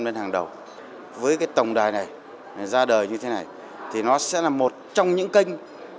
lên hàng đầu với cái tổng đài này ra đời như thế này thì nó sẽ là một trong những kênh